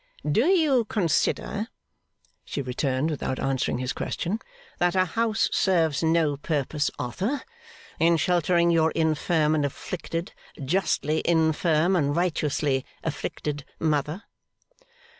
'Do you consider,' she returned, without answering his question, 'that a house serves no purpose, Arthur, in sheltering your infirm and afflicted justly infirm and righteously afflicted mother?